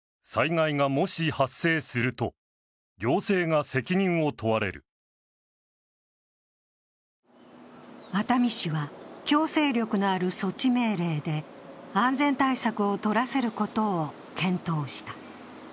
２００９年１１月の文書には熱海市は強制力のある措置命令で安全対策をとらせることを検討した。